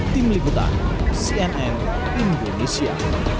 tim liputan cnn indonesia